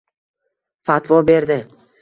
Fatvo berdi